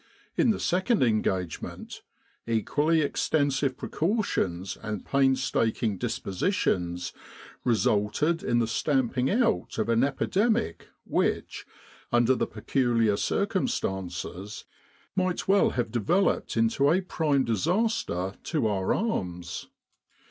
In the second engage ment, equally extensive precautions and painstaking dispositions resulted in the stamping out of an epidemic which, under the peculiar circumstances, might well have developed into a prime disaster to our arms.